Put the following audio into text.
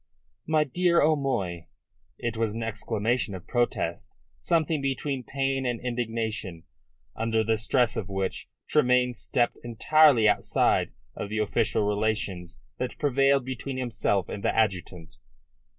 "My dear O'Moy!" It was an exclamation of protest, something between pain and indignation, under the stress of which Tremayne stepped entirely outside of the official relations that prevailed between himself and the adjutant.